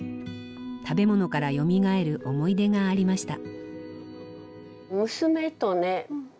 食べ物からよみがえる思い出がありました。